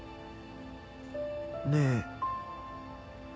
ねえ。